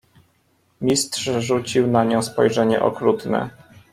"Mistrz rzucił na nią spojrzenie okrutne."